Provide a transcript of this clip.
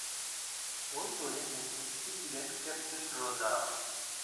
ওই দলের নেতৃত্বে ছিলেন ক্যাপ্টেন রজার।